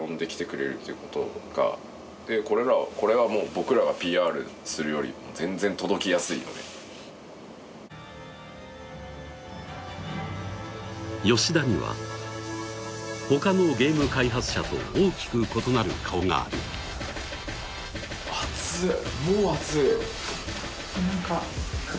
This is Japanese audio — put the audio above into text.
僕らがＰＲするよりも全然届きやすいので吉田には他のゲーム開発者と大きく異なる顔がある暑っもう暑い！